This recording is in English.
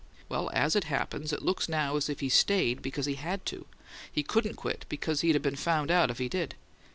Well, as it happens, it looks now as if he stayed because he HAD to; he couldn't quit because he'd 'a' been found out if he did.